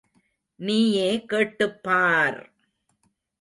நீயே கேட்டுப் பார்!